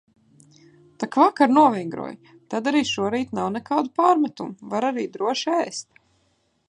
Tak vakar novingroju, tad arī šorīt nav nekādu pārmetumu – var arī droši ēst.